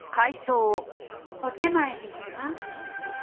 お点前ですか？